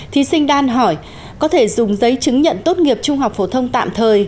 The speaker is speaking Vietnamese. thí sinh đan hỏi có thể dùng giấy chứng nhận tốt nghiệp trung học phổ thông tạm thời